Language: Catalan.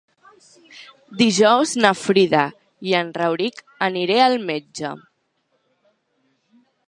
Dijous na Frida i en Rauric aniré al metge.